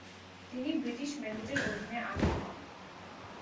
তিনি ব্রিটিশ মেন্ডেটের অধীনে আমির হন।